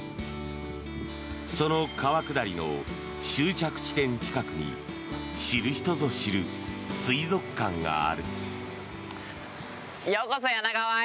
その川下りの終着地点近くに知る人ぞ知る水族館がある。